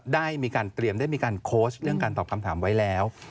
ได้มีการเตรียมได้มีการโพสต์เรื่องการตอบคำถามไว้แล้ว